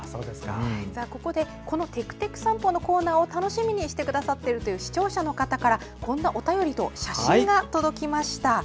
ここでこの「てくてく散歩」のコーナーを楽しみにしてくださっているという視聴者の方からこんなお便りと写真が届きました。